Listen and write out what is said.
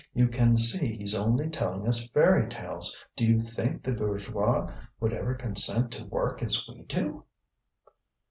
You can see he's only telling us fairy tales. Do you think the bourgeois would ever consent to work as we do?"